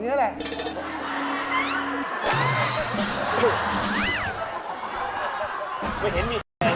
เกิดอะไรขึ้น